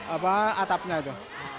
apa atapnya itu